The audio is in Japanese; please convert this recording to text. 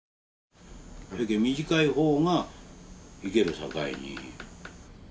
短い方がいけるさかいに。